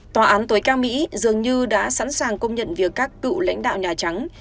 tòa án tối cao mỹ dường như đã sẵn sàng công nhận việc các cựu lãnh đạo nhà trắng